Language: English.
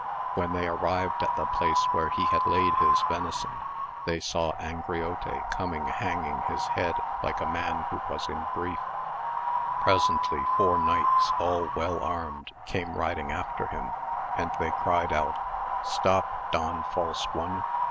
When they arrived at the place where he had laid his venison, they saw Angriote coming hanging his head like a man who was in grief; presently four knights, all well armed, came riding after him, and they cried out, stop Don False One